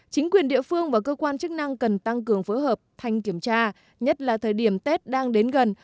chính quyền địa phương và cơ quan chức năng cần tăng cường phối hợp thanh kiểm tra nhất là thời điểm tết đang đến gần